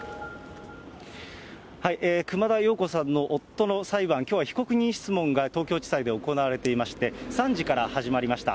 熊田曜子さんの夫の裁判、きょうは被告人質問が東京地裁で行われていまして、３時から始まりました。